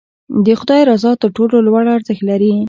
د خدای رضا تر ټولو لوړ ارزښت لري.